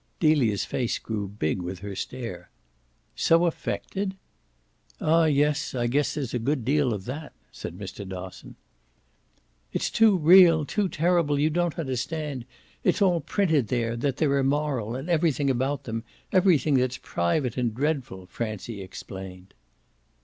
Delia's face grew big with her stare. "So affected?" "Ah yes, I guess there's a good deal OF THAT," said Mr. Dosson. "It's too real too terrible; you don't understand. It's all printed there that they're immoral, and everything about them; everything that's private and dreadful," Francie explained.